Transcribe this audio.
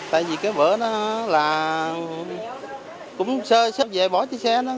tại vì cái vỡ nó là cũng sơ sơ về bỏ chiếc xe nó